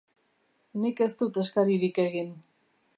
Nik ez dut eskaririk egin.